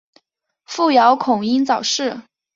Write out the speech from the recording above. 父姚孔瑛早逝。